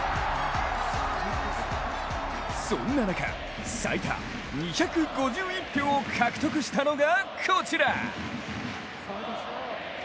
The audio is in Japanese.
そんな中、最多２５１票を獲得したのがこちら。